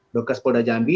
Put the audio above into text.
dokter polda jambi